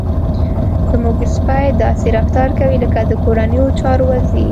زموږ سپی داسې رفتار کوي لکه د کورنیو چارو وزير.